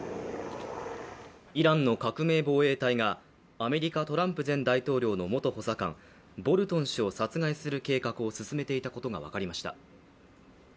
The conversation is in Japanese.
イランの革命防衛隊がアメリカのトランプ前大統領の元補佐官、ボルトン氏を殺害する計画を進めていたことが分かりました。